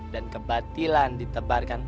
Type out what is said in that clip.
dan kebatilan ditebarkan